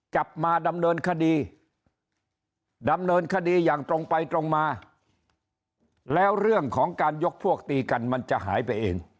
จับมาดำเนินคดีดำเนินคดีอย่างตรงไปตรงมาแล้วเรื่องของการยกพวกตีกันมันจะหายไปเอง